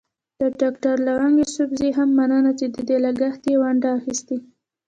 د ډاکټر لونګ يوسفزي هم مننه چې د دې لګښت کې يې ونډه اخيستې.